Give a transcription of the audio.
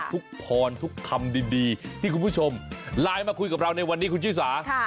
พรทุกคำดีที่คุณผู้ชมไลน์มาคุยกับเราในวันนี้คุณชิสา